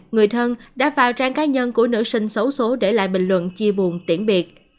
người thân đã vào trang cá nhân của nữ sinh xấu số để lại bình luận chia buồn tiễn biệt